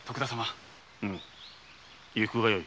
うん行くがよい。